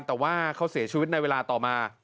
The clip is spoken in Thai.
แต่ว่าเขาเสียชีวิตในเวลาต่อมา